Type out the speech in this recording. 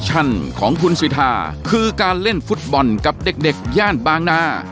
ของคุณสิทาคือการเล่นฟุตบอลกับเด็กย่านบางนา